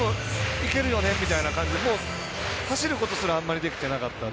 いけるよねみたいな感じでもう走ることすらあんまりできてなかった。